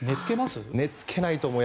寝つけないと思う。